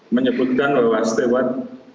menyebutkan bahwa setewan